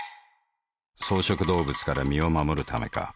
草食動物から身を護るためか。